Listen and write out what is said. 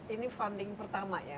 ini funding pertama ya